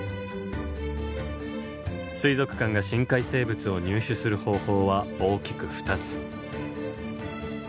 水族館が深海生物を入手する方法は大きく２つ。